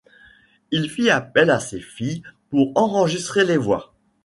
Il fit appel à ses filles pour enregistrer les voix.